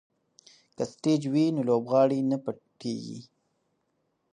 که سټیج وي نو لوبغاړی نه پټیږي.